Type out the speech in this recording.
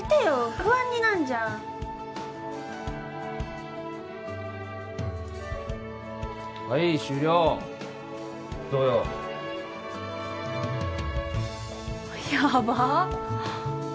不安になんじゃんはい終了どうよ？やばっ！